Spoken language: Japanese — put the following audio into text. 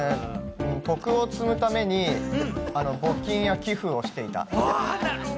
徳を積むために募金や寄付をしていた。